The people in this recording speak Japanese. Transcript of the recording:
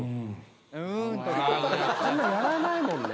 あんなやらないもんね